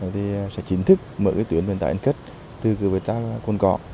thì sẽ chính thức mở cái tuyến về tàu anh cất từ cửa về tàu cồn cỏ